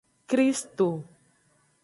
Kristo.